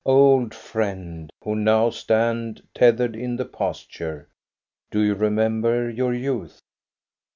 Old friend, who now stand tethered in the pasture, do you remember your youth?